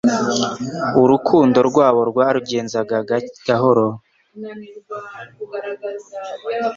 Uru rukundo rwabo barugenzaga gahoro